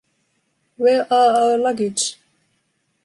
Where are our luggage?..